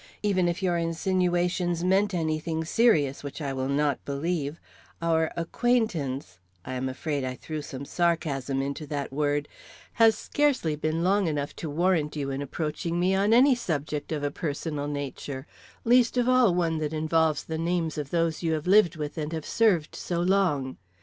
Even if your insinuations meant any thing serious, which I will not believe, our acquaintance" I am afraid I threw some sarcasm into that word "has scarcely been long enough to warrant you in approaching me on any subject of a personal nature, least of all one that involves the names of those you live with and have served so long.